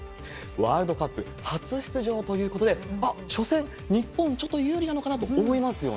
ワールドカップ初出場ということで、あっ、初戦、日本はちょっと有利なのかなと思いますよね。